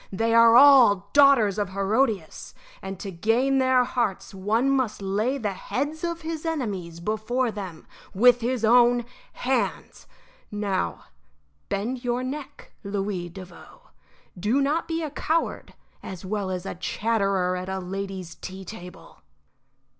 They are all daughters of Herodias, and to gain their hearts one must lay the heads of his enemies before them with his own hands. Now, bend your neck, Louis Devoe. Do not be a coward as well as a chatterer at a lady's tea table."